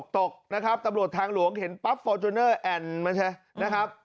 ตกนะครับตำรวจทางหลวงเห็นปั๊บฟอร์จูเนอร์แอ่นมาใช่ไหมนะครับ